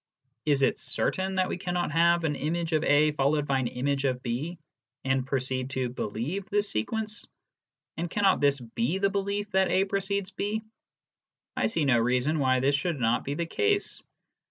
Is it certain that we cannot have an image of A followed by an image of B, and proceed to believe this sequence ? And cannot this ~be the belief that A precedes B ? I see no reason why this should not be the case.